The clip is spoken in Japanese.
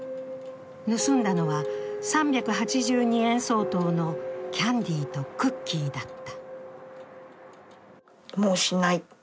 盗んだのは３８２円相当のキャンディーとクッキーだった。